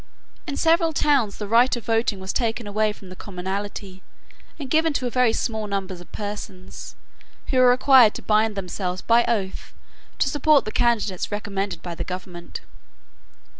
In several towns the right of voting was taken away from the commonalty, and given to a very small number of persons, who were required to bind themselves by oath to support the candidates recommended by the government.